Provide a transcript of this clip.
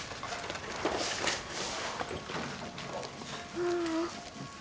ママ。